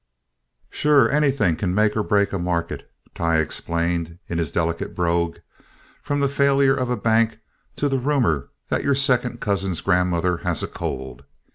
"Sure, anything can make or break a market"—Tighe explained in his delicate brogue—"from the failure of a bank to the rumor that your second cousin's grandmother has a cold.